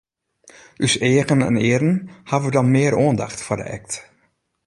Us eagen en earen hawwe dan mear oandacht foar de act.